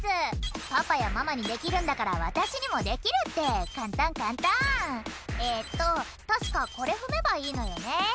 「パパやママにできるんだから私にもできるって簡単簡単」「えっと確かこれ踏めばいいのよね」